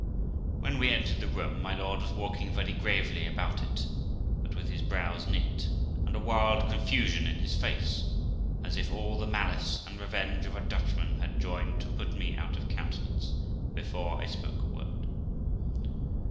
When we entered the room, my lord was walking very gravely about it, but with his brows knit, and a wild confusion in his face, as if all the malice and revenge of a Dutchman had joined to put me out of coun tenance before I spoke a word.